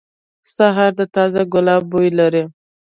سهار د تازه ګلاب بوی لري.